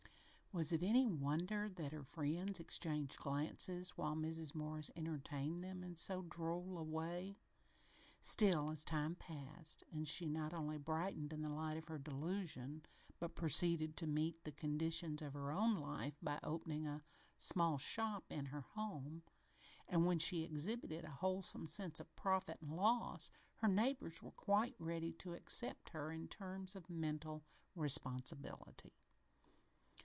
Was it any wonder that her friends exchanged glances while Mrs. Morris entertained them in so droll a way? Still, as time passed and she not only brightened in the light of her delusion, but proceeded to meet the conditions of her own life by opening a small shop in her home, and when she exhibited a wholesome sense of profit and loss, her neighbors were quite ready to accept her on terms of mental responsibility.